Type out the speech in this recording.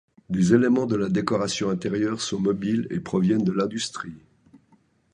Des éléments de la décoration intérieures sont mobiles et proviennent de l'industrie.